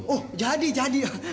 oh jadi jadi